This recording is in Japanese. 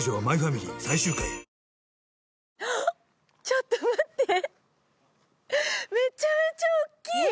ちょっと待ってめちゃめちゃおっきい